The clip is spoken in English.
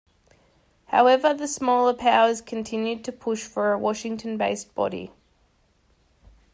However the smaller powers continued to push for a Washington-based body.